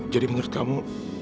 jadi menurut kamu